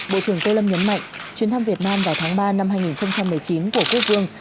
bộ trưởng tô lâm nhấn mạnh chuyến thăm việt nam vào tháng ba năm hai nghìn một mươi chín của quốc vương